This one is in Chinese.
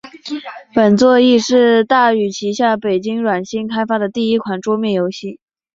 本作亦是大宇旗下北京软星开发的第一款桌面游戏。